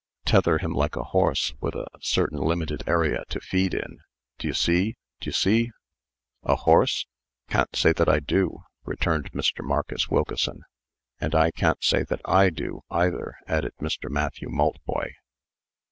"Tether him like a horse, with a certain limited area to feed in. D'ye see? D'ye see?" "A horse? Can't say that I do," returned Mr. Marcus Wilkeson. "And I can't say that I do, either," added Mr. Matthew Maltboy.